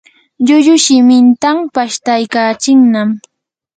lllullu shimintan pashtaykachinnam.